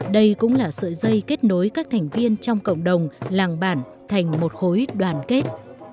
đây cũng là sợi dây kết nối các thành viên trong cộng đồng làng bản thành một khối đoàn kết